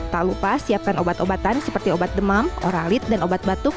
tak lupa siapkan obat obatan seperti obat demam oralit dan obat batuk